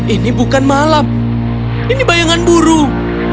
ini bukan malam ini bayangan burung